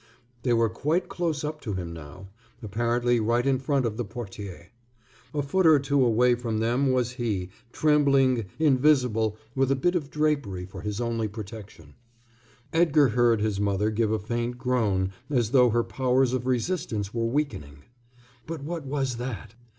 They were quite close up to him now, apparently right in front of the portière. A foot or two away from them was he, trembling, invisible, with a bit of drapery for his only protection. Edgar heard his mother give a faint groan as though her powers of resistance were weakening. But what was that?